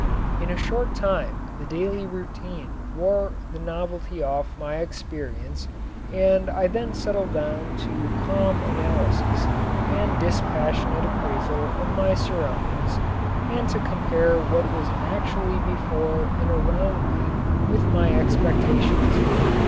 In a short time the daily routine wore the novelty off my experience and I then settled down to calm analysis and dispassionate appraisal of my surroundings and to compare what was actually before and around me with my expectations.